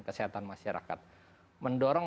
kesehatan masyarakat mendorong